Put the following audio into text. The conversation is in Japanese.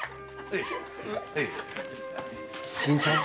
新さんは？